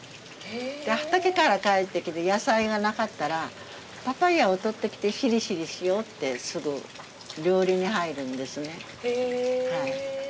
畑から帰ってきて野菜がなかったらパパイアをとってきてしりしりしようってすぐ料理に入るんですね。